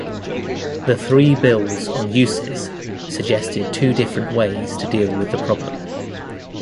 The three bills on uses suggested two different ways to deal with the problem.